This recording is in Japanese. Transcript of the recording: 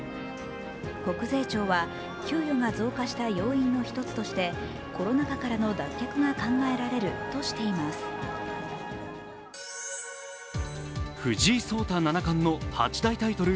国税庁は、給与が増加した要因の１つとしてコロナ禍からの脱却が考えられるとしています藤井聡太七冠の八大タイトル